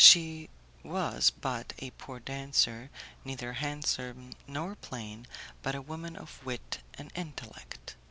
She was but a poor dancer, neither handsome nor plain, but a woman of wit and intellect.